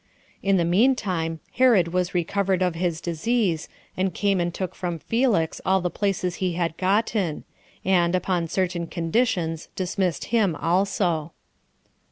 In the mean time, Herod was recovered of his disease, and came and took from Felix all the places he had gotten; and, upon certain conditions, dismissed him also.